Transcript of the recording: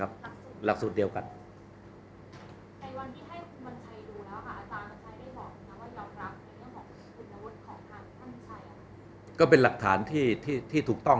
เพราะเป็นหลักศาลที่ถูกต้อง